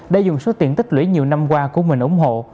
đã dùng số tiện tích lưỡi nhiều năm qua của mình ủng hộ